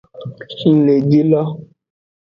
Ng le ji lo.